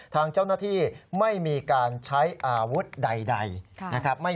ทางเจ้าหน้าที่ไม่มีการใช้อาวุธใดนะครับ